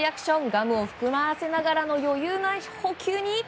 ガムを含ませながらの余裕な捕球に。